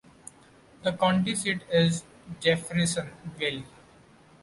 The county seat is Jeffersonville.